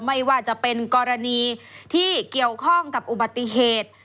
ไม่ว่าจะเป็นกรณีที่เกี่ยวข้องกับอุบัติเหตุ